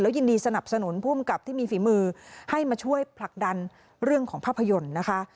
ยินดีสนับสนุนภูมิกับที่มีฝีมือให้มาช่วยผลักดันเรื่องของภาพยนตร์นะคะ